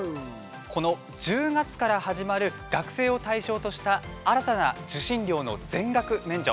この１０月から始まる学生を対象とした新たな受信料の全額免除。